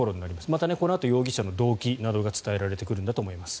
またこのあと容疑者の動機などが伝えられてくるんだと思います。